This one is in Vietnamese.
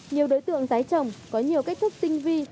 nhiều đối tượng rái trồng có nhiều cách thức tinh vi